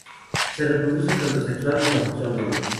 Se reproduce tanto sexual como asexualmente.